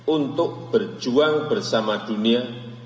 untuk berjuang bersama dunia